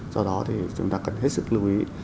do đó thì chúng ta cần hết sức lưu ý